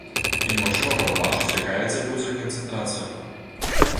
І немагчыма прадбачыць якая дзе будзе канцэнтрацыя.